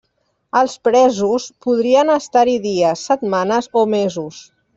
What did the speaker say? Els presos podrien estar-hi dies, setmanes o mesos.